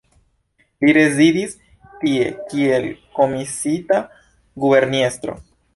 Li rezidis tie kiel komisiita guberniestro.